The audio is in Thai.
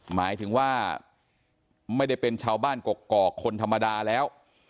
หมายถึงว่าไม่ได้เป็นชาวบ้านกกอกคนธรรมดาแล้ว